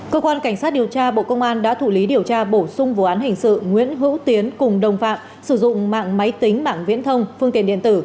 cơ quan cảnh sát điều tra bộ công an đã thủ lý điều tra bổ sung vụ án hình sự nguyễn hữu tiến cùng đồng phạm sử dụng mạng máy tính bảng viễn thông phương tiện điện tử